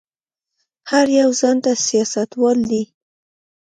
هر يو ځان ته سياستوال دی.